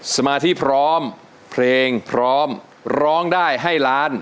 สมาธิพร้อมเพลงพร้อมร้องได้ให้ล้าน